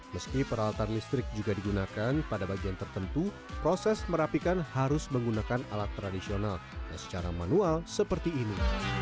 meski peralatan listrik juga digunakan pada bagian tertentu proses merapikan harus menggunakan alat tradisional yang secara manual seperti ini